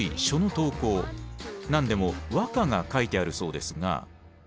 何でも和歌が書いてあるそうですが。